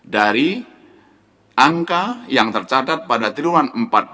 dari angka yang tercatat pada triwuan empat dua ribu sembilan belas